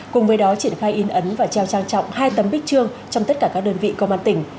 cùng với đó triển khai in ấn và trao trang trọng hai tấm bích trương trong tất cả các đơn vị công an tỉnh